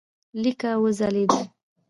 لیکه وځلېده.